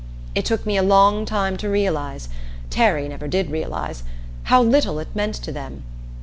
It took me a long time to realize Terry never did realize how little it meant to them.